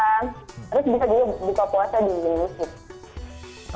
terus bisa juga buka puasa di indonesia